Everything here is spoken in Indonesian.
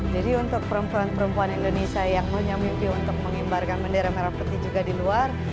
jadi untuk perempuan perempuan indonesia yang punya mimpi untuk mengimbarkan bendera merah putih juga di luar